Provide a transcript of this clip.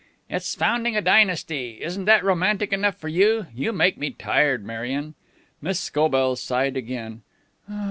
"It's founding a dynasty. Isn't that romantic enough for you? You make me tired, Marion." Miss Scobell sighed again.